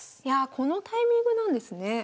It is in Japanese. いやあこのタイミングなんですね。